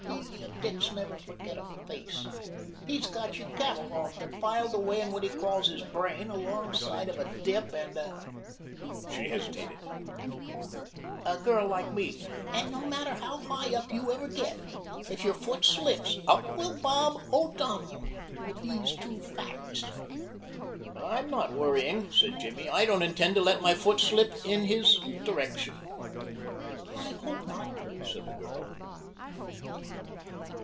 These dicks never forget a face. He's got you catalogued and filed away in what he calls his brain alongside of a dip and a" she hesitated "a girl like me, and no matter how high up you ever get if your foot slips up will bob O'Donnell with these two facts." "I'm not worrying," said Jimmy. "I don't intend to let my foot slip in his direction." "I hope not," said the girl.